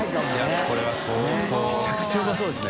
めちゃくちゃうまそうですね。